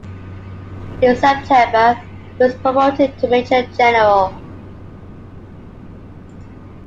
In September, he was promoted to major general.